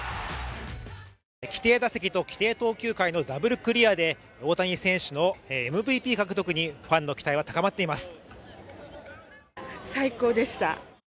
規定打席と規定投球回のダブルクリアで大谷選手のＭＶＰ獲得にファンの期待は高まっています。